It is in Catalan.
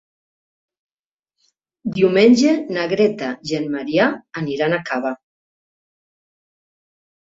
Diumenge na Greta i en Maria aniran a Cava.